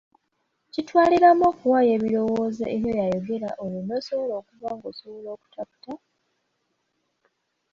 Kitwaliramu okuwaayo ebirowoozobyo eri oyo ayogera olwo n’osobola okuba ng’osobola okutaputa,